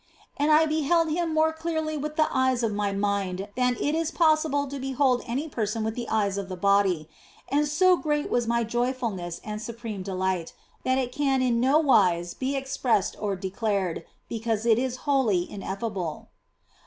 And I beheld Him more clearly with the eyes of my mind than it is possible to behold any person with the eyes of the body, and so great was my joyfulness and supreme delight that it can in no wise be expressed or declared, because it is wholly ineffable.